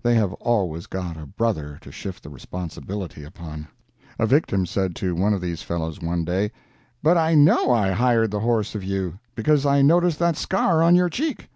They have always got a "brother" to shift the responsibility upon. A victim said to one of these fellows one day: "But I know I hired the horse of you, because I noticed that scar on your cheek."